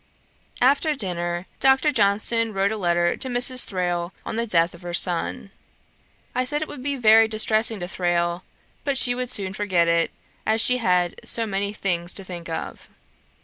After dinner Dr. Johnson wrote a letter to Mrs. Thrale on the death of her son. I said it would be very distressing to Thrale, but she would soon forget it, as she had so many things to think of.